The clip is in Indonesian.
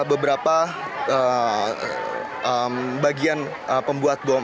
beberapa bagian pembuat bom